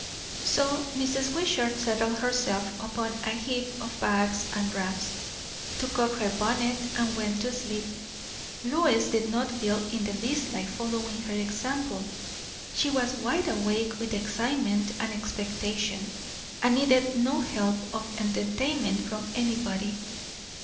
So Mrs. Wishart settled herself upon a heap of bags and wraps, took off her bonnet, and went to sleep. Lois did not feel in the least like following her example. She was wide awake with excitement and expectation, and needed no help of entertainment from anybody.